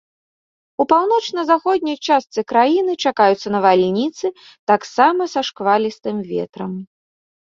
У паўночна-заходняй частцы краіны чакаюцца навальніцы, таксама са шквалістым ветрам.